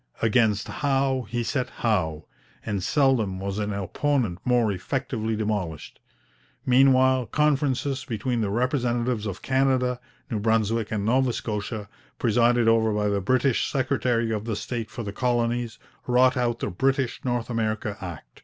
Against Howe he set Howe, and seldom was an opponent more effectively demolished. Meanwhile conferences between the representatives of Canada, New Brunswick, and Nova Scotia, presided over by the British secretary of state for the Colonies, wrought out the British North America Act.